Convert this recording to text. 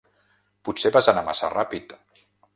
Potser vas anar massa ràpid.